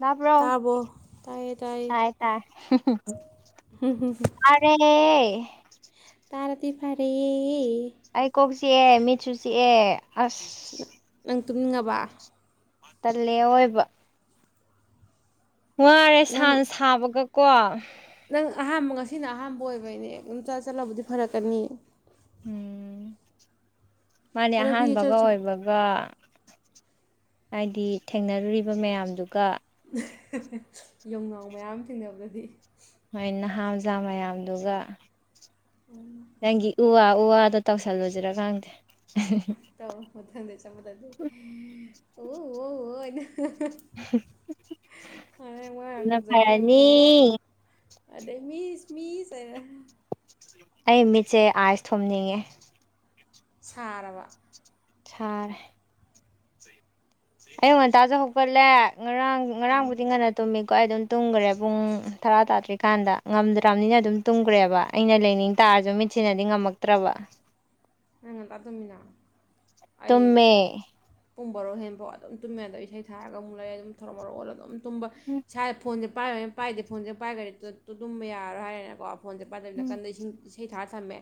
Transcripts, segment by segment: ꯇꯥꯕ꯭ꯔꯣ ꯇꯥꯔꯕꯣ ꯇꯥꯏꯌꯦ ꯇꯥꯏꯌꯦ ꯇꯥꯔ [unintelligible] ꯇꯥꯔꯦ ꯇꯥꯔꯗꯤ ꯐꯔꯦ ꯑꯩ ꯀꯣꯛ ꯆꯤꯛꯑꯦ ꯃꯤꯠꯁꯨꯨ ꯆꯤꯛꯑꯦ ꯑꯁ ꯅ ꯅꯪ ꯇꯨꯝꯅꯤꯡꯉꯥꯕ ꯇꯜꯂꯦ ꯑꯑꯣꯏꯕ ꯉꯥꯔꯦ ꯅꯪ ꯁꯥꯅ ꯁꯥꯕꯒꯀꯣ ꯅꯪ ꯑꯍꯥꯝꯕ ꯉꯁꯤꯅ ꯑꯍꯥꯝꯕ ꯑꯣꯏꯕꯩꯅꯦ ꯗꯨꯝ ꯆꯥꯁꯜꯂꯕꯨꯗꯤ ꯐꯔꯛꯀꯅꯤꯌꯦ ꯎꯝ ꯃꯥꯅꯦ ꯐꯔꯛꯇꯤ ꯑꯍꯥꯟꯕꯒ ꯏꯆꯠ ꯆꯠ ꯑꯣꯏꯕ ꯒ ꯍꯥꯏꯗꯤ ꯊꯦꯡꯅꯔꯨꯔꯤꯕ ꯃꯌꯥꯝꯗꯨꯒ ꯌꯣꯡꯅꯥꯎ ꯃꯌꯥꯝ ꯊꯦꯡꯅꯕꯗꯗꯤ ꯃꯥꯏ ꯅꯍꯥ ꯃꯖꯥ ꯃꯌꯥꯝꯗꯨꯒ ꯅꯪꯒꯤ ꯎꯑꯥ ꯎ ꯑꯥꯗꯣ ꯇꯧꯁꯜꯂꯨꯖꯤꯔ ꯈꯪꯗꯦ ꯇꯧꯔꯣ ꯃꯊꯪꯪꯗ ꯆꯞꯕꯗꯗꯤ ꯑꯣ ꯑꯣ ꯑꯣ ꯍꯥꯏꯅ [unintelligible] ꯑꯗꯨꯅ ꯇꯧꯖꯔꯅꯤ ꯑꯃꯨꯛ ꯐꯔꯅꯤ ꯋꯧ ꯑꯗꯩ ꯃꯤꯁ ꯃꯤꯁ ꯍꯥꯏꯔ ꯑꯩ ꯃꯤꯠꯁꯦ ꯑꯥꯏꯁ ꯊꯣꯝꯅꯤꯡꯉꯦ ꯁꯥꯔꯕ ꯁꯥꯔꯦ ꯑꯌꯨꯛ ꯉꯟꯇꯖꯨ ꯍꯧꯒꯠꯂꯦ ꯉꯔꯥꯡ ꯑꯥ ꯉꯔꯥꯡꯕꯨꯗꯤ ꯉꯟꯅ ꯇꯨꯝꯃꯤꯀꯣ ꯑꯩ ꯑꯗꯨꯝ ꯇꯨꯝꯒ꯭ꯔꯦ ꯄꯨꯡ ꯇꯔꯥ ꯇꯥꯗ꯭ꯔꯤꯀꯥꯟꯗ ꯉꯝꯗ꯭ꯔꯝꯅꯤꯅ ꯑꯗꯨꯝ ꯇꯨꯝꯒ꯭ꯔꯦꯕ ꯑꯩꯅ ꯂꯩꯅꯤꯡ ꯇꯥꯔꯖꯨ ꯃꯤꯠꯁꯤꯅꯗꯤ ꯉꯝꯃꯛꯇ꯭ꯔꯕ ꯅꯪ ꯉꯟꯇꯥ ꯇꯝꯃꯤꯅ ꯑꯩ ꯇꯨꯝꯃꯦ ꯄꯨꯡ ꯕꯔꯣ ꯍꯦꯟꯐꯥꯎ ꯑꯗꯨꯝ ꯇꯨꯝꯃꯦ ꯑꯗꯩ ꯏꯁꯩ ꯊꯥꯔꯒ ꯑꯃꯨꯛ ꯂꯩꯔꯦ ꯑꯗꯨꯝ ꯊꯧꯔꯣ ꯃꯔꯣ ꯑꯣꯜꯂ ꯑꯗꯨꯝ ꯇꯨꯝꯕ ꯎꯝ ꯏꯁꯥ ꯐꯣꯟꯖꯦ ꯄꯥꯏꯌꯣꯏꯅ ꯄꯥꯏꯗꯦ ꯐꯣꯟꯖꯦ ꯄꯥꯏꯒ꯭ꯔꯗꯤ ꯇꯨ ꯇꯨꯝꯕ ꯌꯥꯔꯣꯏ ꯍꯥꯏꯔꯅꯤꯅꯀꯣ ꯐꯣꯟꯖꯦ ꯄꯥꯏꯗꯕꯤ ꯎꯝ ꯅꯀꯟꯗ ꯏꯁꯤꯡ ꯏꯁꯩ ꯊꯥꯔ ꯊꯝꯃꯦ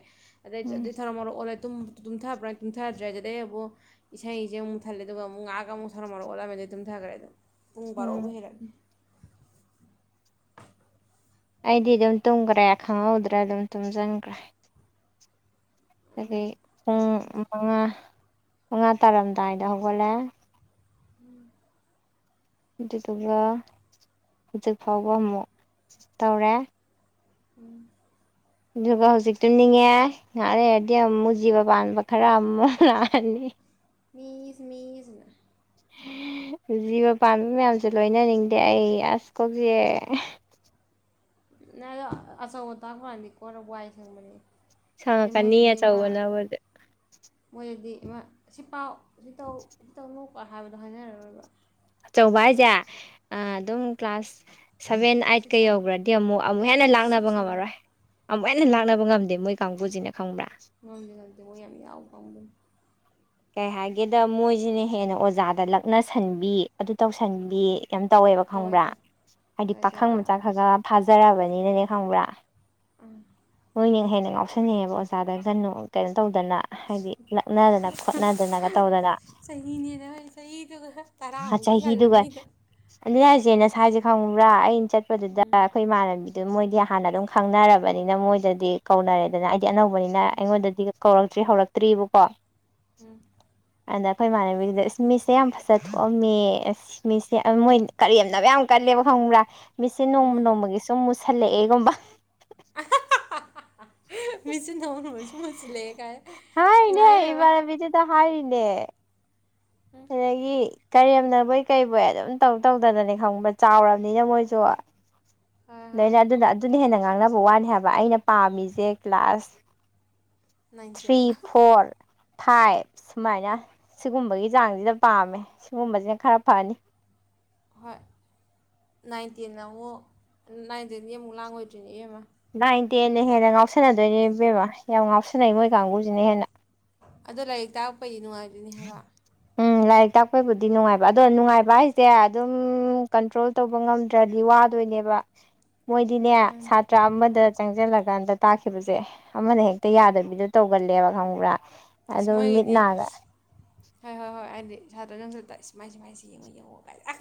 ꯑꯗꯩꯗꯤ ꯎꯝ ꯑꯗꯩ ꯊꯥꯔꯣ ꯃꯥꯔꯣ ꯑꯣꯜꯂꯦ ꯇꯨꯝ ꯇꯨꯝꯊꯕ꯭ꯔꯥ ꯇꯨꯝꯊꯗ꯭ꯔꯦ ꯑꯗꯨꯗꯩ ꯑꯃꯨꯛ ꯏꯁꯩꯖꯦ ꯑꯃꯨꯛ ꯃꯨꯠꯊꯠꯂꯦ ꯑꯗꯨꯒ ꯑꯃꯨꯛ ꯉꯥꯍꯛ ꯑꯃꯨꯛ ꯊꯥꯔꯣ ꯃꯔꯣ ꯑꯣꯜꯂꯝꯃꯦꯗꯩ ꯇꯨꯝꯊꯥꯒ꯭ꯔꯦ ꯑꯗꯨꯝ ꯄꯨꯡ ꯕꯥꯔꯣꯕꯨ ꯎꯝ ꯍꯦꯜꯂꯛꯑ__ ꯑꯩꯗꯤ ꯑꯗꯨꯝ ꯇꯨꯝꯒ꯭ꯔꯦ ꯈꯪꯍꯧꯗ꯭ꯔꯦ ꯑꯗꯨꯝ ꯇꯨꯝꯖꯟꯒ꯭ꯔꯦ ꯑꯩꯗꯤ ꯑꯗꯩ ꯄꯨꯡ ꯇꯧꯅꯤꯡꯗ꯭ꯔꯦ ꯃꯉꯥ ꯃꯉꯥ ꯇꯥꯔꯝꯗꯥꯏꯗ ꯍꯧꯒꯠꯂꯦ ꯎꯝ ꯑꯗꯨꯗꯨꯒ ꯍꯧꯖꯤꯛ ꯐꯥꯎꯕ ꯑꯃꯨꯛ ꯇꯧꯔꯦ ꯎꯝ ꯑꯗꯨꯒ ꯍꯧꯖꯤꯛ ꯇꯨꯝꯅꯤꯡꯉꯦ ꯉꯍꯥꯛ ꯂꯩꯔꯗꯤ ꯑꯃꯨꯛ ꯖꯤꯕ ꯄꯥꯟꯕ ꯈꯔ ꯑꯃꯨꯛ ꯂꯥꯛꯑꯅꯤ ꯃꯤꯁ ꯃꯁꯤꯅ ꯖꯤꯕ ꯄꯥꯟꯕ ꯃꯌꯥꯝꯖꯦ ꯂꯣꯏꯅꯅꯤꯡꯗꯦ ꯑꯩ ꯑꯁ ꯀꯣꯛ ꯆꯤꯛꯑꯦ ꯅꯦꯋꯣ ꯑꯆꯧꯕ ꯇꯥꯛꯄꯀꯥꯟꯗꯤ ꯀꯣꯔꯧ ꯋꯥꯏ ꯁꯡꯕꯅꯦꯕ ꯍꯥꯏꯗꯤ ꯃꯣꯏ ꯁꯪꯉꯛꯀꯅꯤ ꯗꯨꯗꯤ ꯑꯃꯥ ꯑꯆꯧꯕꯅꯕꯨꯗꯤ ꯃꯣꯏꯗꯗꯤ ꯑꯃꯥ ꯁꯤ ꯄꯥꯎ ꯁꯤ ꯇꯧ ꯁꯤ ꯇꯧꯅꯨꯀꯣ ꯍꯥꯏꯕꯗꯣ ꯍꯥꯏꯅꯔꯔꯣꯏꯕ ꯑꯆꯧꯕ ꯍꯥꯏꯖꯦ ꯑꯥ ꯑꯗꯨꯝ ꯀ꯭ꯂꯥꯁ ꯁꯚꯦꯟ ꯁꯤꯛ ꯑꯥꯏꯠꯀꯥ ꯁꯃꯤꯠ ꯌꯧꯕꯒ꯭ꯔꯗꯤ ꯑꯃꯨꯛ ꯑꯃꯨꯛ ꯍꯦꯟꯅ ꯁꯤꯛ ꯂꯥꯛꯅꯕ ꯁꯃꯤꯠ ꯉꯝꯃꯔꯣꯏ ꯑꯃꯨꯛ ꯍꯦꯟꯅ ꯂꯥꯛꯅꯕ ꯉꯝꯗꯦ ꯃꯣꯏ__ ꯀꯥꯡꯕꯨꯨꯖꯤꯅ ꯈꯥꯡꯕ꯭ꯔꯥ ꯉꯝꯗꯦ ꯉꯝꯗꯦ ꯃꯣꯏ ꯌꯥꯝ ꯌꯥꯎ ꯀꯥꯡꯕꯨꯅꯤ ꯀꯩ ꯍꯥꯏꯒꯦꯗ ꯃꯣꯏꯖꯤꯅ ꯍꯦꯟꯅ ꯑꯣꯖꯥꯗ ꯂꯛꯅꯁꯟꯕꯤ ꯑꯗꯨ ꯇꯧꯁꯟꯕꯤ ꯌꯥꯝ ꯇꯧꯋꯦꯕ ꯇꯧꯋꯦ ꯈꯡꯕ꯭ꯔꯥ ꯇꯧꯋꯦ ꯍꯥꯏꯗꯤ ꯇꯧꯋꯦ ꯄꯈꯪ ꯇꯧꯋꯦ ꯃꯆꯥ ꯑꯥ ꯈꯒ ꯐꯥꯖꯔꯛꯑꯕꯅꯤꯅꯅꯦ ꯈꯪꯕ꯭ꯔꯥ ꯎꯝ ꯃꯣꯏꯅ ꯍꯦꯟꯅ ꯉꯥꯎꯁꯟꯅꯩꯌꯦꯕ ꯑꯣꯖꯥꯗ ꯀꯟꯅꯣ ꯀꯩꯅꯣ ꯇꯧꯗꯅ ꯍꯥꯏꯗꯤ ꯂꯛꯅꯗꯅ ꯈꯣꯠꯅꯗꯅꯒ ꯇꯧꯗꯅ ꯆꯍꯤꯅꯦꯅ ꯑꯩ ꯆꯍꯤꯗꯨꯒ ꯇꯔꯥꯃꯨꯛ ꯇꯤ ꯍꯜꯂꯝꯅꯤꯗ ꯑꯗꯨꯅꯦ ꯍꯥꯏꯖꯦ ꯅꯁꯥꯏꯁꯦ ꯈꯪꯕ꯭ꯔꯥ ꯑꯩꯅ ꯆꯠꯄꯗꯨꯗ ꯎꯝ ꯑꯩꯈꯣꯏ ꯏꯃꯥꯟꯅꯕꯤ ꯑꯗꯨꯝ ꯃꯣꯏꯗꯤ ꯍꯥꯟꯅ ꯑꯗꯨꯝ ꯈꯥꯡꯅꯔꯕꯅꯤꯅ ꯃꯣꯏꯗꯗꯤ ꯀꯧꯅꯔꯦꯗꯅ ꯑꯩꯗꯤ ꯑꯅꯧꯕꯅꯤꯅ ꯑꯩꯉꯣꯟꯗꯗꯤ__ ꯀꯧꯔꯛꯇ꯭ꯔꯤ ꯍꯧꯔꯛꯇ꯭ꯔꯤꯕꯀꯣ ꯎꯝ ꯑꯅ__ ꯑꯩꯈꯣꯏ ꯏꯃꯥꯟꯅꯕꯤꯗꯨꯗ ꯏꯁ ꯃꯤꯁꯦ ꯌꯥꯝ ꯐꯖ ꯊꯣꯛꯑꯝꯃꯦ ꯃꯤꯁꯦ ꯑꯃꯣꯏ ꯀꯔꯦꯝꯅꯕ ꯌꯥꯝ__ ꯀꯜꯂꯦꯕ ꯈꯪꯕ꯭ꯔꯥ ꯃꯤꯁꯁꯦ ꯅꯣꯡꯃ ꯏꯃꯥ ꯅꯣꯡꯃꯒꯤ ꯁꯨꯝ ꯃꯨꯁꯜꯂꯛꯑꯦꯒꯨꯝꯕ ꯃꯤꯁꯁꯦ ꯅꯣꯡꯃ ꯅꯣꯡꯃꯒꯤ ꯁꯨꯝ ꯃꯨꯁꯤꯜꯂꯛꯑꯦ ꯀꯥꯏ ꯏꯃꯥꯏꯕꯦꯝꯃ ꯇ ꯍꯥꯏꯔꯤꯅꯦ ꯎꯝ ꯑꯗꯒꯤ ꯀꯔꯦꯝꯅꯕꯣꯏ ꯀꯩꯕꯣꯏ ꯑꯗꯨꯝ ꯇꯧ ꯇꯧꯗꯅꯅꯦ ꯈꯪꯕ꯭ꯔ ꯆꯥꯎꯔꯝꯅꯤꯅ ꯃꯣꯏꯖꯨ ꯍꯣꯏ ꯍꯣꯏ ꯂꯣꯏꯅ ꯑꯗꯨꯅ ꯑꯗꯨꯅ ꯍꯦꯟꯅ ꯉꯥꯡꯅꯕ ꯋꯥꯅꯤ ꯍꯥꯏꯕ ꯑꯩꯅ ꯄꯥꯝꯃꯤꯖꯦ class nine ten three four ꯊꯥꯏꯞ ꯁꯨꯃꯥꯏꯅ ꯁꯤꯒꯨꯝꯕꯒꯤ ꯆꯥꯡꯖꯤꯗ ꯄꯥꯝꯃꯦ ꯁꯤꯒꯨꯝꯕꯁꯤꯅ ꯈꯔ ꯐꯅꯤ ꯍꯣꯏ ꯅꯥꯏꯟꯇꯦꯟꯅ ꯑꯃꯨꯛ ꯅꯥꯏꯟꯇꯦꯟꯗꯤ ꯑꯃꯨꯛ ꯂꯥꯡꯉꯣꯏꯗ꯭ꯔꯤꯅꯦ ꯏꯌꯦꯝꯃ ꯅꯥꯏꯟ ꯇꯦꯟꯅ ꯍꯦꯟꯅ ꯉꯥꯎꯁꯟꯅꯗꯣꯏꯅꯦ ꯏꯕꯦꯕ ꯌꯥꯝ ꯉꯥꯎꯁꯟꯅꯩ ꯃꯣꯏ ꯀꯥꯡꯕꯨꯁꯤꯅ ꯍꯦꯟꯅ꯫ ꯑꯗꯣ ꯂꯥꯏꯔꯤꯛ ꯇꯥꯛꯔꯛꯄꯩꯗꯤ ꯅꯨꯡꯉꯥꯏ ꯎꯝ ꯂꯥꯏꯔꯤꯛ ꯇꯥꯛꯄꯩꯕꯨꯗꯤ ꯅꯨꯡꯉꯥꯏꯕ ꯑꯗꯣ ꯅꯨꯡꯉꯥꯏꯕ ꯍꯥꯏꯁꯦ ꯑꯗꯨꯝ ꯀꯟꯇ꯭ꯔꯣꯜ ꯇꯧꯕ ꯉꯝꯗ꯭ꯔꯗꯤ ꯋꯥꯗꯣꯏꯅꯦꯕ꯫ [inaudible] ꯃꯣꯏꯗꯤꯅꯦ ꯃꯥꯅꯤ ꯁꯥꯇ꯭ꯔ ꯑꯃꯗ ꯆꯪꯁꯤꯜꯂꯀꯥꯟꯗ ꯇꯥꯛꯈꯤꯕꯁꯦ ꯑꯃꯅ ꯍꯦꯛꯇ ꯌꯥꯗꯕꯤꯗꯣ ꯇꯧꯒꯜꯂꯦꯕ ꯈꯪꯕ꯭ꯔꯥ꯫ ꯑꯗꯣ ꯏꯁ ꯃꯤꯠ ꯃꯣꯏꯒꯤꯗꯤ ꯅꯥꯒ ꯍꯣꯏ ꯍꯣꯏ ꯍꯣꯏ ꯍꯥꯏꯗꯤ ꯁꯥꯇ꯭ꯔ ꯅꯨꯡꯁꯤꯠꯇ ꯃꯥꯏꯁꯦ ꯃꯥꯏꯁꯦ ꯌꯦꯡꯉꯣ ꯌꯦꯡꯉꯣ ꯀꯥꯏꯅ꯫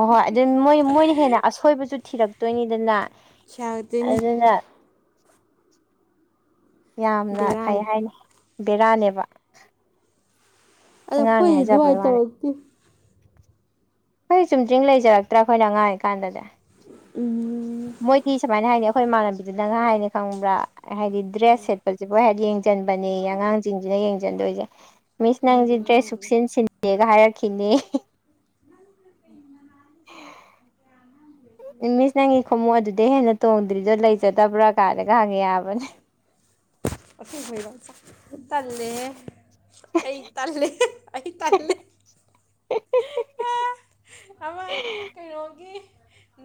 ꯍꯣꯏ ꯍꯣꯏ ꯑꯗꯨ ꯃꯣꯏ ꯃꯣꯏꯅ ꯍꯦꯟꯅ ꯑꯁꯣꯏꯕꯁꯨ ꯊꯤꯔꯛꯇꯣꯏꯅꯤꯗꯅ꯫ ꯌꯥꯇꯤꯅꯤ꯫ ꯑꯗꯨꯅ ꯌꯥꯝꯅ ꯀꯩ ꯕꯦꯔꯥꯅꯤ ꯍꯥꯏꯅꯤ ꯕꯦꯔꯥꯅꯦꯕ꯫ ꯑꯗꯣ ꯑꯉꯥꯡꯅꯦ ꯑꯈꯣꯏꯗꯤ ꯍꯥꯏꯖꯕꯩ ꯑꯗꯨꯃꯥꯏ ꯋꯥꯅꯤ ꯇꯧꯔꯛꯇꯦ꯫ ꯈꯣꯏꯗꯤ ꯆꯨꯝꯗ꯭ꯤꯡ ꯂꯩꯖꯔꯛꯇ꯭ꯔꯥ ꯑꯩꯈꯣꯏꯅ ꯉꯥꯡꯔꯤ ꯀꯥꯟꯗꯗꯤ꯫ ꯎꯝ ꯃꯣꯏꯗꯤ ꯁꯨꯃꯥꯏꯅ ꯍꯥꯏꯅꯦ ꯑꯩꯈꯣꯏ ꯏꯃꯥꯟꯅꯕꯤꯗꯨꯅꯒ ꯍꯥꯏꯅꯦ ꯈꯪꯕ꯭ꯔꯥ ꯍꯥꯏꯗꯤ ꯗ꯭ꯔꯦꯁ ꯁꯦꯠ ꯁꯦꯠꯄꯖꯤꯕꯧ ꯍꯦꯛ ꯌꯦꯡꯁꯤꯟꯕꯅꯦ ꯑꯉꯥꯡꯁꯤꯡꯁꯤꯅ ꯌꯦꯡꯁꯤꯟꯗꯣꯏꯁꯦ ꯃꯤꯁ ꯅꯪꯁꯦ ꯅꯪꯁꯤꯅ ꯗ꯭ꯔꯦꯁ ꯅꯪꯁꯤꯅ ꯁꯛꯆꯟ ꯁꯤ ꯗꯦ ꯀꯥꯏ ꯍꯥꯏꯔꯛꯈꯤꯅꯤꯌꯦ꯫ ꯃꯤꯁ ꯅꯪꯒꯤ ꯈꯣꯡꯃꯨꯞ ꯑꯗꯨꯗꯩ ꯍꯦꯟꯅ ꯇꯣꯡꯗ꯭ꯔꯤꯗꯣ ꯂꯩꯖꯗꯕ꯭ꯔꯥ ꯀꯥꯏꯅꯒꯥꯉꯦ ꯍꯥꯏꯕꯅꯦ꯫ ꯑꯁꯦꯡꯕꯩꯔꯣ? ꯇꯜꯂꯦꯍꯦ꯫ ꯑꯩ ꯇꯜꯂꯦ ꯑꯩ ꯇꯜꯂꯦ꯫ ꯑꯃ ꯀꯩꯅꯣꯒꯤ,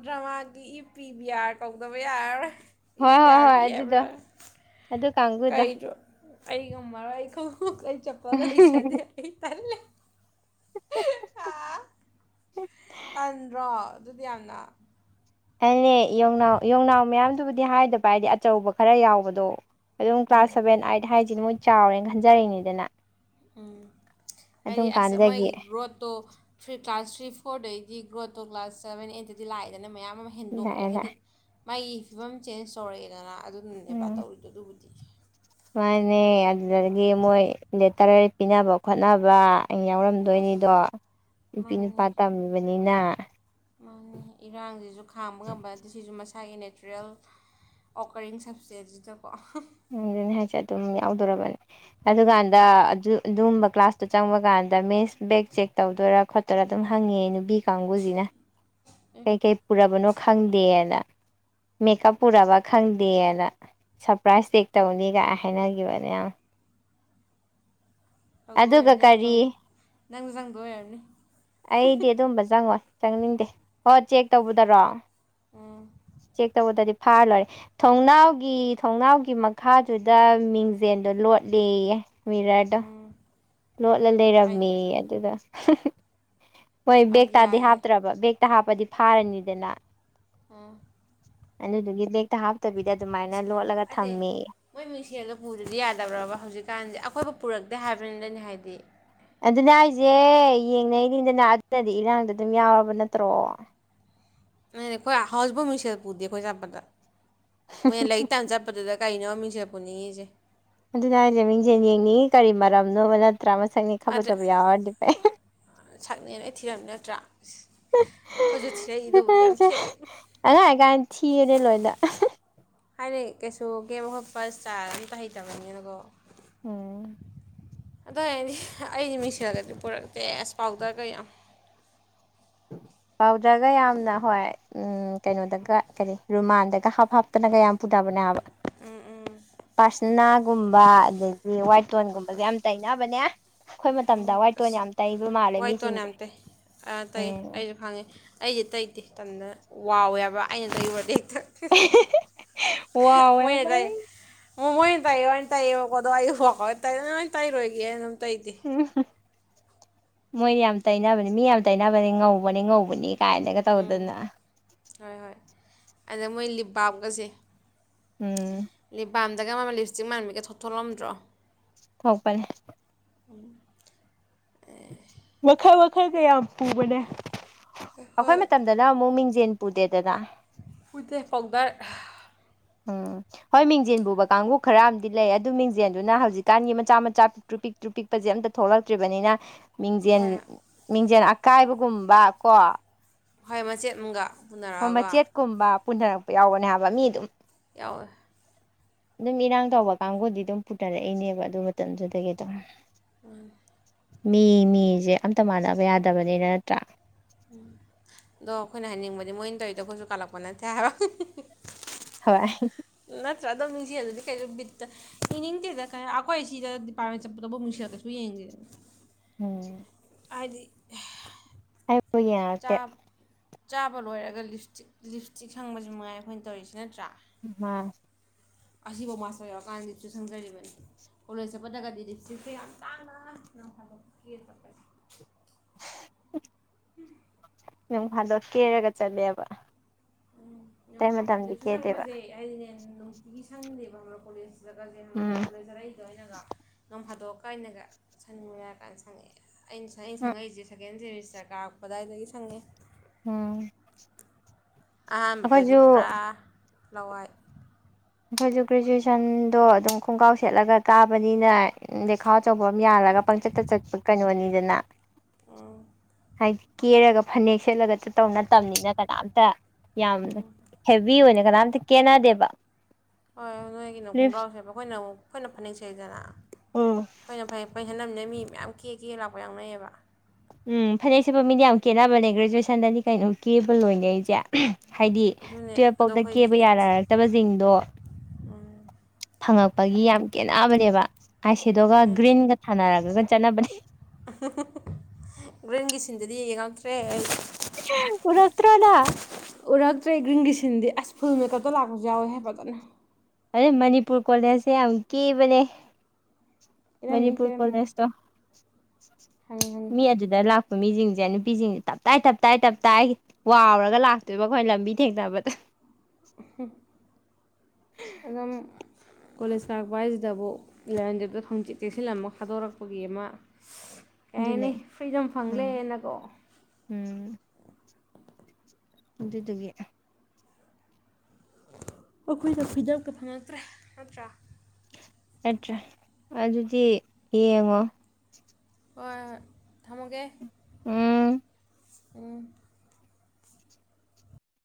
ꯗ꯭ꯔꯃꯥꯒꯤ ꯏ ꯄꯤ ꯕꯤ ꯑꯥꯔ ꯀꯧꯗꯕ ꯌꯥꯔꯔꯣꯏ ꯏ ꯍꯣꯏ ꯄꯤ ꯍꯣꯏ ꯑꯥꯔ ꯍꯣꯏ ꯕꯤ ꯑꯗꯨꯗꯣ ꯍꯥꯏꯕ꯭ꯔꯥ꯫ ꯑꯗꯨ ꯀꯥꯡꯕꯨꯗꯣ ꯀꯔꯤꯗꯣ ꯑꯩ ꯉꯝꯃꯔꯣꯏ ꯑꯩ ꯈꯨꯃꯨꯛ ꯑꯩ ꯆꯠꯄꯜ ꯂꯩꯖꯗꯦ ꯑꯩ ꯇꯜꯂꯦ꯫ [unintelligible] ꯇꯟꯗ꯭ꯔꯣ ꯑꯗꯨꯗꯤ ꯌꯥꯝꯅ꯫ ꯑꯗꯨꯅꯦ ꯌꯣꯡꯅꯥꯎ ꯌꯣꯡꯅꯥꯎ ꯃꯌꯥꯝꯗꯨꯕꯨꯗꯤ ꯍꯥꯏꯗꯕ ꯍꯥꯏꯗꯤ ꯑꯆꯧꯕ ꯈꯔ ꯌꯥꯎꯕꯗꯣ꯫ ꯑꯗꯨꯝ ꯀ꯭ꯂꯥꯁ ꯎꯝ ꯁꯚꯦꯟ ꯑꯥꯏꯠ ꯍꯥꯏꯁꯤꯗꯤ ꯃꯣꯏ ꯆꯥꯎꯔꯦꯅ ꯈꯟꯖꯔꯤꯅꯤꯗꯅ꯫ ꯎꯝ ꯍꯥꯏꯗꯤ ꯑꯗꯨꯝ ꯑꯁ ꯀꯥꯟꯗꯨꯗꯒꯤ ꯃꯣꯏꯒꯤ ꯒ꯭ꯔꯣꯠꯇꯣ ꯊ꯭ꯔꯤ ꯀ꯭ꯂꯥꯁ ꯊ꯭ꯔꯤ ꯐꯣꯔꯗꯩꯗꯤ ꯒ꯭ꯔꯣ ꯇꯧ ꯀ꯭ꯂꯥꯁ ꯁꯕꯦꯟ ꯑꯩꯠꯇꯗꯤ ꯂꯥꯛꯑꯦꯗꯅ ꯃꯌꯥꯝ ꯑꯃ꯫ ꯍꯦꯟꯗꯣꯛꯑꯦ ꯂꯥꯛꯑꯦꯅ ꯍꯥꯏꯗꯤ ꯃꯥꯒꯤ ꯐꯤꯕꯝ ꯆꯦꯟꯖ ꯇꯧꯔꯛꯑꯦꯗꯅ ꯑꯗꯨꯅꯅꯦꯕ ꯇꯧꯔꯤꯗꯣ ꯑꯗꯨꯕꯨꯗꯤ꯫ ꯃꯥꯅꯦ ꯑꯗꯨꯗꯒꯤ ꯃꯣꯏ ꯂꯦꯇꯔ ꯄꯤꯅꯕ ꯈꯣꯠꯅꯕ, ꯑꯁ ꯌꯥꯎꯔꯝꯗꯣꯏꯅꯤꯗꯣ ꯅꯨꯄꯤ ꯅꯨꯄꯥ ꯃꯥꯅꯤ ꯇꯝꯃꯤꯕꯅꯤꯅ꯫ ꯃꯥꯅꯤ ꯏꯔꯥꯡꯁꯤꯁꯨ ꯈꯥꯝꯕ ꯉꯝꯕ ꯅꯠꯇꯦ ꯁꯤꯁꯨ ꯃꯁꯥꯒꯤ ꯅꯦꯆꯔꯦꯜ ꯑꯣꯀꯔꯤꯡ ꯁꯞꯁꯇꯦꯁ ꯑꯗꯨꯗꯀꯣ꯫ ꯑꯗꯨꯅꯤ ꯍꯥꯏꯁꯦ ꯑꯗꯨꯝ ꯌꯥꯎꯗꯣꯔꯕꯅꯦ ꯑꯗꯨꯀꯥꯟꯗ ꯑꯗꯨ ꯑꯗꯨꯒꯨꯝꯕ ꯀ꯭ꯂꯥꯁꯇꯣ ꯆꯪꯕ ꯀꯥꯟꯗ ꯃꯤꯁ ꯕꯦꯛ ꯆꯦꯛ ꯇꯧꯗꯣꯏꯔꯥ ꯈꯣꯠꯇꯣꯏꯔꯥ ꯑꯗꯨꯝ ꯍꯪꯉꯦ ꯅꯨꯄꯤ ꯀꯥꯡꯕꯨꯁꯤꯅ꯫ ꯀꯩ ꯀꯩ ꯄꯨꯔꯕꯅꯣ ꯈꯪꯗꯦꯑꯅ ꯃꯦꯀꯞ ꯄꯨꯔꯕ ꯈꯪꯗꯦꯑꯅ꯫ ꯄ꯭ꯔꯥꯏꯖ ꯆꯦꯛ ꯇꯧꯅꯤꯒ ꯍꯥꯏꯅꯈꯤꯕꯅꯦ ꯌꯥꯝ꯫ ꯑꯗꯨꯒ ꯀꯔꯤ꯫ ꯅꯪꯖꯨ ꯆꯪꯗꯣꯏ ꯑꯣꯏꯔꯝꯅꯤ꯫ ꯑꯩꯗꯤ ꯑꯗꯨꯝꯕ ꯆꯪꯉꯣꯏ ꯆꯪꯅꯤꯡꯗꯦ, ꯍꯣ ꯆꯦꯛ ꯇꯧꯕꯗꯔꯣ? ꯎꯝ ꯆꯦꯛ ꯇꯧꯕꯗꯗꯤ ꯐꯥꯔ ꯂꯣꯏꯔꯦ꯫ ꯊꯣꯡꯅꯥꯎꯒꯤ ꯊꯣꯡꯅꯥꯎꯒꯤ ꯃꯈꯥꯗꯨꯗ ꯃꯤꯡꯖꯦꯟꯗꯣ ꯂꯣꯠꯂꯦꯌꯦ꯫ ꯃꯤꯔꯥ꯭ꯔꯗ ꯎꯝ ꯂꯣꯠꯂ ꯑꯩ ꯂꯩꯔꯝꯃꯤ ꯑꯗꯨꯗ ꯍꯣꯏ ꯕꯦꯒꯛꯇꯗꯤ ꯑꯥꯏꯗꯤꯌꯥꯁꯦ ꯍꯥꯞꯇ꯭ꯔꯕ ꯕꯦꯒꯛꯇ ꯍꯥꯞꯄꯗꯤ ꯐꯥꯔꯅꯤꯗꯅ ꯑꯥ ꯑꯗꯨꯗꯨꯒꯤ ꯕꯦꯒꯛꯇ ꯍꯥꯞꯇꯕꯤꯗ ꯑꯗꯨꯃꯥꯏꯅ ꯂꯣꯠꯂꯒ ꯑꯗꯦ ꯊꯝꯃꯦꯌꯦ ꯃꯣꯏ ꯃꯤꯡꯖꯦꯜꯗꯣ ꯄꯨꯗꯔꯗꯤ ꯌꯥꯗꯕ꯭ꯔꯕ ꯍꯧꯖꯤꯛꯀꯥꯟꯁꯦ ꯑꯩꯈꯣꯏꯕꯨ ꯄꯨꯔꯛꯇꯦ ꯍꯥꯏꯕꯅꯤꯗ ꯑꯩꯅ ꯍꯥꯏꯗꯤ ꯑꯗꯨꯅꯦ ꯍꯥꯏꯁꯦ ꯌꯦꯡꯅꯩꯅꯤꯗꯅ ꯑꯗꯨꯅꯗꯤ ꯏꯔꯥꯡꯗ ꯑꯗꯨꯝ ꯌꯥꯎꯔꯕ ꯅꯠꯇ꯭ꯔꯣ ꯑꯗꯨꯅꯦ ꯑꯩꯈꯣꯏ ꯍꯥꯎꯖꯤꯛꯐꯥꯎ ꯃꯤꯡꯁꯦꯜ ꯄꯨꯗꯦ ꯑꯩꯈꯣꯏ ꯆꯠꯄꯗ ꯃꯣꯏꯅ ꯂꯔꯤꯛ ꯇꯝ ꯆꯠꯄ ꯑꯗꯨꯗ ꯀꯩꯅꯣ ꯃꯤꯡꯖꯦꯜ ꯄꯨꯅꯤꯡꯉꯤꯁꯦ ꯑꯗꯨꯅ ꯍꯥꯏꯁꯦ ꯃꯤꯡꯖꯦꯜ ꯌꯦꯡꯅꯤꯡꯏꯤ ꯀꯔꯤ ꯃꯔꯝꯅꯣꯕ ꯅ ꯇ꯭ꯔꯥꯃꯁꯪꯅꯤ ꯈꯥ ꯐꯖꯕ ꯌꯥꯎꯔꯗꯤ ꯐꯩ ꯁꯛꯅꯦꯅ ꯂꯣꯏ ꯊꯤꯔꯝꯅꯤ ꯅꯠꯇ꯭ꯔꯥ ꯑ ꯑꯩꯈꯣꯏꯁꯨ ꯊꯤꯔꯛꯏ ꯑꯗꯨꯕꯨꯗꯤ ꯌꯥꯝ ꯊꯤꯔꯛꯏ ꯑꯉꯥꯡ ꯑꯣꯏ ꯀꯜ ꯊꯤꯕꯅꯦ ꯂꯣꯏꯅ ꯍꯥꯏꯗꯤ ꯀꯩꯁꯨ ꯀꯦꯕ ꯈꯣꯠꯄ ꯏꯁ꯭ꯇꯥꯔ ꯑꯝꯇ ꯍꯩꯇꯕꯅꯤꯅꯀꯣ ꯎꯝ ꯑꯗꯨ ꯑꯣꯏꯗꯤ ꯑꯩꯗꯤ ꯃꯤꯡꯁꯤꯜꯂꯒꯗꯤ ꯄꯨꯔꯛꯇꯦꯁ ꯄꯥꯎꯗꯔ ꯀꯌꯥꯝ ꯄꯥꯎꯗꯔꯒ ꯌꯥꯝꯅ ꯍꯣꯏ ꯎꯝ ꯀꯩꯅꯣꯗꯒ ꯀꯔꯤ ꯔꯨꯃꯥꯟꯗꯒ ꯍꯥꯞ ꯍꯥꯞꯇꯅꯒ ꯌꯥꯝ ꯄꯨꯅꯕꯅꯦ ꯍꯥꯏꯕ ꯎꯝ ꯎꯝ ꯄꯔꯁꯅꯥꯒꯨꯝꯕ ꯑꯗꯒꯤ ꯋꯥꯏꯠ ꯍꯣꯏ ꯇꯣꯟꯒꯨꯝꯕꯖꯦ ꯍꯣꯏ ꯌꯥꯝ ꯇꯩꯅꯅꯕꯅꯦ ꯑꯩꯈꯣꯏ ꯎꯝ ꯃꯇꯝꯗ ꯋꯥꯏꯠꯇꯣꯟ ꯑꯁ ꯌꯥꯝ ꯇꯩꯕ ꯃꯥꯜꯂꯦ ꯋꯥꯏ ꯇꯣꯟ ꯃꯤꯁꯤꯡꯖꯦ ꯌꯥꯝ ꯇꯩ ꯇꯩ ꯑꯩꯁꯨ ꯈꯪꯉꯦ ꯑꯩꯗꯤ ꯇꯩꯗꯦ ꯇꯟꯗꯅ ꯋꯥꯎꯋꯦꯕ ꯑꯩꯅ ꯇꯩꯔꯨꯔꯗꯤ‌ ꯍꯦꯛꯇ ꯋꯥꯎꯋꯦ ꯃꯣꯏ ꯍꯥꯏꯕ ꯇꯥꯏ ꯑꯩ ꯑꯣ ꯃꯣꯏꯅ ꯇꯥꯏꯌꯣꯅ ꯇꯩꯌꯦꯕꯀꯣꯗꯣ ꯑꯩ ꯋꯥꯎꯋꯦ ꯇꯂꯦ ꯇꯩꯔꯣꯏꯒꯦꯅ ꯑꯗꯨꯝ ꯇꯩꯗꯦ ꯎ ꯃꯣꯏꯅ ꯌꯥꯝ ꯇꯩꯅꯕꯅꯤ ꯃꯤ ꯌꯥꯝ ꯇꯩꯅꯕꯅꯤ ꯉꯧꯕꯅꯦ ꯉꯧꯕꯅꯤ ꯀꯥꯏꯅꯒ ꯎꯝ ꯇꯧꯗꯅ ꯍꯣꯏ ꯍꯣꯏ ꯑꯗ ꯃꯣꯏ ꯂꯤꯞꯕꯥꯞꯀꯁꯦ ꯎꯝ ꯂꯤꯞꯕꯥꯝꯗꯒ ꯑꯃ ꯂꯤꯞꯁꯇꯤꯛ ꯃꯥꯟꯕꯤꯒ ꯊꯣꯠ ꯊꯣꯛꯂꯝꯗ꯭ꯔꯣ ꯊꯣꯛꯄꯅꯦ ꯃꯈꯜ ꯃꯈꯜꯒ ꯌꯥꯝ ꯄꯨꯕꯅꯦ ꯑꯩꯈꯣꯏ ꯍꯣꯏ ꯃꯇꯝ ꯗꯅ ꯑꯃꯨꯛ ꯃꯤꯡꯖꯦꯜ ꯄꯨꯗꯦꯗꯅ ꯍꯨꯏꯠꯇꯦ ꯄꯥꯎꯗꯔ ꯎꯝ ꯍꯣꯏ ꯃꯤꯡꯖꯦꯟ ꯄꯨꯕ ꯀꯥꯡꯕꯨ ꯈꯔ ꯑꯃꯗꯤ ꯂꯩ ꯑꯗꯨ ꯃꯤꯡꯖꯦꯜꯗꯨꯅ ꯍꯧꯖꯤꯛꯀꯥꯟꯒꯤ ꯃꯆꯥ ꯃꯆꯥ ꯄꯤꯛꯇ꯭ꯔꯨ ꯄꯤꯛꯇ꯭ꯔꯨ ꯑꯄꯤꯛ ꯑꯝꯇ ꯊꯣꯛꯂꯛꯇ꯭ꯔꯤꯕꯅꯤꯅ ꯃꯤꯡꯖꯦꯜ ꯍꯣꯏ ꯍꯣꯏ ꯃꯤꯡꯖꯦꯜ ꯑꯀꯥꯏꯕꯒꯨꯝꯕ ꯀꯣ ꯍꯣꯏ ꯃꯆꯦꯠ ꯃꯒ ꯍꯣꯏ ꯃꯆꯦꯠꯀꯨꯝꯕ ꯄꯨꯅꯔꯛꯄ ꯌꯥꯎꯕꯅꯦ ꯍꯥꯏꯕ ꯃꯤ ꯑꯗꯨꯝ ꯌꯥꯎꯋꯦ ꯑꯗꯨꯝ ꯏꯔꯥꯡ ꯇꯧꯕ ꯀꯥꯡꯕꯨꯗꯤ ꯑꯗꯨꯝ ꯄꯨꯅꯔꯛꯏꯅꯦꯕ ꯑꯗꯨꯏ ꯃꯇꯝꯗꯨꯗꯒꯤ ꯑꯗꯨꯝ ꯎꯝ ꯃꯤ ꯃꯤꯁꯦ ꯑꯝꯇ ꯃꯥꯟꯅꯕ ꯌꯥꯗꯕꯅꯤꯅ ꯅꯠꯇ꯭ꯔꯥ ꯑꯗꯣ ꯑꯩꯈꯣꯏꯅ ꯍꯥꯏꯅꯤꯡꯕꯗꯤ ꯃꯣꯏ ꯇꯧꯔꯤꯗꯣ ꯑꯩꯈꯣꯏꯁꯨ ꯀꯥꯜꯂꯛꯄ ꯅꯠꯇꯦ ꯍꯥꯏꯕ ꯍꯣꯏ ꯅꯠꯇ꯭ꯔ ꯑꯗꯨ ꯃꯤꯡꯁꯦꯜꯗꯗꯤ ꯀꯩꯅꫭ ꯕꯤꯠꯇ ꯌꯦꯡꯅꯤꯡꯗꯩꯗ ꯀꯌꯥ ꯑꯈꯣꯏ ꯁꯤꯗ ꯗꯤꯄꯥꯔꯃꯦꯟ ꯆꯠꯄꯗꯕꯨꯛ ꯃꯤꯡꯁꯦꯜ ꯀꯩꯁꯨ ꯌꯦꯡꯗꯦ ꯎꯝ ꯍꯥꯏꯗꯤ ꯑꯩꯕꯨ ꯆꯥ ꯌꯦꯡꯉꯛꯇꯦ ꯆꯥꯕ ꯂꯣꯏꯔꯒ ꯂꯤꯞꯁꯇꯤꯛ ꯂꯤꯞꯁꯇꯤꯛ ꯁꯪꯕꯖꯤ ꯃꯉꯥꯏ ꯑꯩꯈꯣꯏꯅ ꯇꯧꯔꯤꯖꯤ ꯅꯠꯇ꯭ꯔꯥ ꯑꯥ [unintelligible] ꯀꯣꯂꯦꯖ ꯆꯠꯄꯗꯒꯗꯤ ꯂꯤꯞꯇꯤꯞꯁꯦ ꯌꯥꯝ ꯇꯥꯡꯅ ꯅꯣꯡꯐꯗꯣꯛ ꯀꯦꯔ ꯆꯠꯄꯖꯦ [unintelligible] [unintelligible] ꯅꯣꯡꯐꯥꯗꯣꯛ ꯀꯦꯔꯒ ꯆꯠꯂꯦꯕ ꯎꯝ ꯑꯗꫭ ꯑꯇꯩ ꯃꯇꯝꯗꯤ ꯂꯤꯞꯁꯇꯤꯞ ꯀꯦꯗꯦꯕ ꯁꯪꯕꯖꯦ ꯍꯥꯏꯗꯤꯅꯦ ꯅꯨꯡꯇꯤꯒꯤ ꯁꯪꯗꯦꯕ ꯎꯝ ꯀꯣꯂꯦꯖ [unintelligible] ꯗꯣꯑꯩꯅꯒ ꯅꯣꯡ ꯐꯥꯗꯣꯛꯀ ꯑꯩꯅꯒ ꯁꯪꯅꯤꯡꯉꯦ ꯍꯥꯏꯔ ꯀꯥꯟ ꯁꯪꯉꯛꯑꯦ ꯑꯩꯅ ꯁꯪ ꯑꯩꯅ ꯎꯝ ꯁꯪꯉꯛꯏꯁꯦ ꯁꯦꯀꯦꯟ ꯁꯦꯃꯤꯁꯇꯔ ꯀꯥꯔꯛꯄ ꯑꯗꯥꯏꯗꯒꯤ ꯁꯪꯉꯦ ꯎꯝ ꯑꯍꯥꯟꯕꯗꯗꯤ ꯑꯩꯈꯣꯏꯁꯨ ꯄꯨꯔꯥ ꯂꯋꯥꯏ ꯑꯩꯈꯣꯏꯖꯨ ꯒ꯭ꯔꯦꯖꯨꯑꯦꯁꯟꯗꯣ ꯑꯗꯨꯝ ꯈꯣꯡꯒ꯭ꯔꯥꯎ ꯁꯦꯠꯂꯒ ꯀꯥꯕꯅꯤꯅ ꯂꯩꯈꯥꯎ ꯑꯆꯧꯕ ꯑꯝ ꯌꯥꯜꯂꯒ ꯄꯪꯆꯠ ꯇꯆꯠꯄ ꯀꯩꯅꯣꯅꯤꯗꯅ ꯎꯝ ꯍꯥꯏꯗꯤ ꯀꯦꯔꯒ ꯐꯅꯦꯛ ꯁꯦꯠꯂꯒ ꯆꯠꯇꯧ ꯅꯠꯇꯝꯅꯤꯅ ꯀꯅꯥꯝꯇ ꯌꯥꯝꯅ ꯍꯦꯚꯤ ꯑꯣꯏꯅ ꯀꯅꯥꯝꯇ ꯀꯦꯅꯗꯦꯕ ꯍꯣꯏ ꯅꯣꯏꯒꯤꯅ ꯂꯤꯞꯁ ꯈꯣꯡꯒ꯭ꯔꯥꯎꯁꯦꯞꯄ ꯑꯈꯣꯏꯅ ꯑꯃꯨꯛ ꯑꯈꯣꯏꯅ ꯐꯅꯦꯛꯁꯦꯠꯂꯤꯗꯅ ꯎꯝ ꯑꯩꯈꯣꯏꯅ ꯐꯩꯅꯦꯛ ꯐꯅꯩꯛ ꯁꯦꯠꯅꯝꯅꯤꯅ ꯃꯤ ꯃꯌꯥꯝ ꯀꯦ ꯀꯦ ꯂꯥꯛꯄ ꯌꯥꯎꯅꯩꯌꯦꯕ ꯎꯝ ꯐꯅꯦꯛ ꯁꯦꯠꯄ ꯃꯤꯗꯤ ꯌꯥꯝ ꯀꯦꯅꯕꯅꯦ ꯒ꯭ꯔꯦꯖꯨꯋꯦꯁꯟꯗꯗꯤ ꯀꯩꯅꯣ ꯀꯦꯕ ꯂꯣꯏꯅꯩꯖꯦ ꯍꯥꯏꯗꯤ ꯑꯗꯨꯅꯦ ꯑꯗꯣ ꯇꯨꯌꯦꯞꯐꯥꯎꯗ ꯑꯩꯈꯣꯏ ꯀꯦ ꯀꯦꯕ ꯌꯥꯔꯑ ꯇꯕꯖꯤꯡꯗꯣ ꯐꯪꯉꯛꯄꯒꯤ ꯌꯥꯝ ꯀꯦꯅꯕꯅꯦꯕ ꯑꯥꯏꯁꯦꯗꯣꯒ ꯒ꯭ꯔꯤꯟꯒ ꯊꯥꯅꯔꯒꯒ ꯆꯠꯅꯕꯅꯦ ꯒꯔꯤꯟꯒꯤ ꯁꯤꯟꯗꯨꯗꯤ ꯌꯦꯡꯉꯛꯇ꯭ꯔꯦ ꯑꯩ ꯎꯔꯛꯇ꯭ꯔꯣ ꯅꯪ ꯎꯔꯛꯇ꯭ꯔꯦ ꯒ꯭ꯔꯤꯟꯒꯤ ꯁꯤꯟꯗꯤ ꯑꯁ ꯐꯨꯜ ꯃꯦꯀꯞꯇ ꯂꯥꯛꯄꯖꯨ ꯌꯥꯎꯋꯦꯍꯦ ꯐꯖꯅ ꯑꯗꯩ ꯃꯅꯤꯄꯨꯔ ꯀꯣꯂꯦꯖꯁꯦ ꯌꯥꯝ ꯀꯦꯕꯅꯦ ꯀꯦꯔꯝꯅꯤ ꯃꯅꯤꯄꯨꯔ ꯀꯦꯔꯝꯅꯤ ꯀꯣꯂꯦꯖꯇꯣ [inaudible] ꯃꯤ ꯑꯗꯨꯗ ꯂꯥꯛꯄ ꯃꯤꯖꯤꯡꯖꯦ ꯅꯨꯄꯤꯖꯤꯡꯖꯦ ꯇꯞ ꯇꯥꯏ ꯇꯞ ꯇꯥꯏ ꯇꯞ ꯇꯥꯏ ꯋꯥꯎꯔꯒ ꯂꯥꯛꯇꯣꯏꯕ ꯑꯈꯣꯏ ꯂꯝꯕꯤ ꯊꯦꯡꯅꯕꯗ ꯍꯝ ꯑꯗꯨꯝ ꯀꫭꯂꯦꯁ ꯀꯥꯔꯛꯄ ꯍꯥꯏꯖꯤꯗꯕꯨ ꯂꯩꯔꯝꯗꯤꯗ ꯈꯪꯆꯤꯛ ꯆꯤꯛꯁꯂꯝꯃ ꯊꯥꯗꫭꯔꯛꯄꯒꯤ ꯑꯃ ꯀꯩ ꯑꯗꯨꯅꯦ ꯍꯥꯏꯅꯤ ꯐ꯭ꯔꯤꯗꯝ ꯎꯝ ꯐꯪꯂꯦꯅꯀꯣ ꯎꯝ ꯑꯗꯨꯗꯨꯒꯤ ꯑꯈꯣꯏꯅ ꯐ꯭ꯔꯤꯗꯝꯒ ꯐꯪꯉꯛꯇ꯭ꯔꯦ ꯅꯠꯇ꯭ꯔꯥ ꯅꯠꯇ꯭ꯔꯦ ꯑꯗꯨꯗꯤ ꯌꯦꯡꯉꯣ ꯍꯥꯏ ꯍꯣꯏ ꯊꯝꯃꯒꯦ ꯎꯝ ꯎꯝ